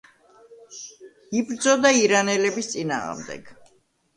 იბრძოდა ირანელების წინააღმდეგ.